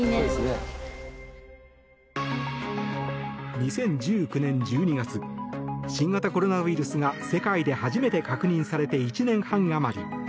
２０１９年１２月新型コロナウイルスが世界で初めて確認されて１年半余り。